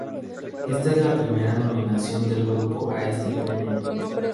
Esta es la primera nominación del grupo a este premio.